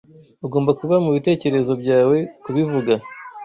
Ugomba kuba mubitekerezo byawe kubivuga.